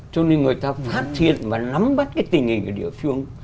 cho nên người ta phát hiện và nắm bắt cái tình hình ở địa phương